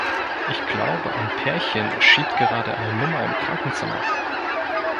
Ich glaube, ein Pärchen schiebt gerade eine Nummer im Krankenzimmer.